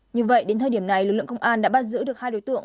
như vậy đến thời điểm này lực lượng công an đã bắt giữ được hai đối tượng